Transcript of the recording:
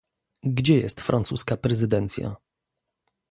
Gdzie jest francuska prezydencja?